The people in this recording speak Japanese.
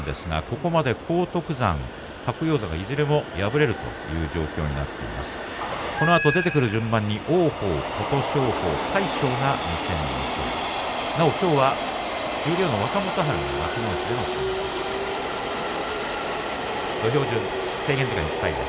このあと出てくる順番に王鵬琴勝峰、魁勝が、２戦２勝きょうは十両の若元春が幕内での相撲です。